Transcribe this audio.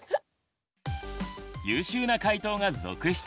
優秀な解答が続出！